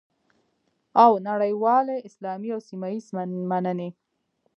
او نړیوالې، اسلامي او سیمه ییزې مننې